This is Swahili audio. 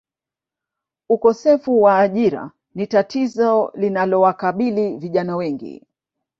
Ukosefu wa ajira ni tatizo linalowakabili vijana wengi